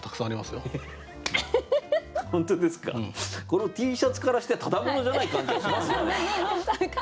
このＴシャツからしてただ者じゃない感じがしますよね。